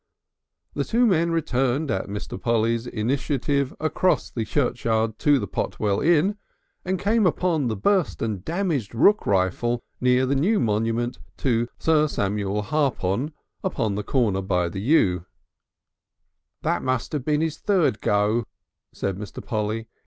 The two men returned at Mr. Polly's initiative across the churchyard to the Potwell Inn, and came upon the burst and damaged rook rifle near the new monument to Sir Samuel Harpon at the corner by the yew. "That must have been his third go," said Mr. Polly.